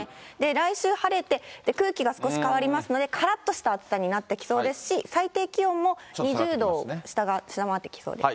来週晴れて空気が少し変わりますので、からっとした暑さになってきそうですし、最低気温も２０度を下回ってきそうですね。